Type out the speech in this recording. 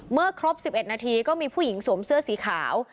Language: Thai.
ครบ๑๑นาทีก็มีผู้หญิงสวมเสื้อสีขาว